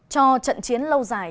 cho trận chiến lâu dài